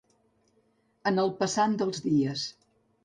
En el passant dels dies.